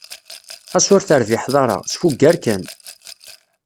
Xas ur terbiḥeḍ ara, sfugger kan.